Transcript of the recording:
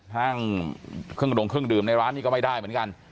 ห้างเครื่องดงเครื่องดื่มในร้านนี้ก็ไม่ได้เหมือนกัน